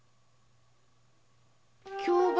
京橋